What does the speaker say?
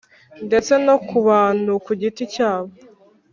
ndetse no ku bantu ku giti cyabo